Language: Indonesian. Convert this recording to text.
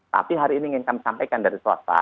tapi hari ini ingin kami sampaikan dari swasta